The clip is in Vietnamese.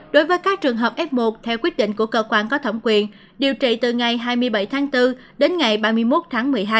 đối với các trường hợp f một theo quyết định của cơ quan có thẩm quyền điều trị từ ngày hai mươi bảy tháng bốn đến ngày ba mươi một tháng một mươi hai